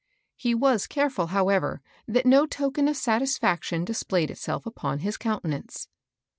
He was careful, how ever, that no token of satisfaction displayed itself upon his countenance.